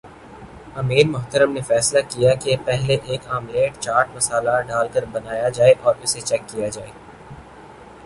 امیر محترم نے فیصلہ کیا کہ پہلے ایک آملیٹ چاٹ مصالحہ ڈال کر بنایا جائے اور اسے چیک کیا جائے